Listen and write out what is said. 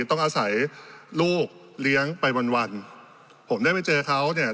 ต้องอาศัยลูกเลี้ยงไปวันวันผมได้ไปเจอเขาเนี่ย